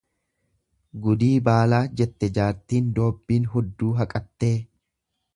Gudii baalaa, jette jaartiin doobbiin hudduu haqattee.